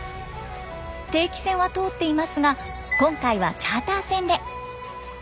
定期船は通っていますが今回はチャーター船で。